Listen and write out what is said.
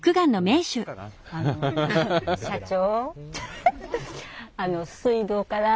あの社長。